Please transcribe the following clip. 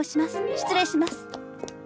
失礼します！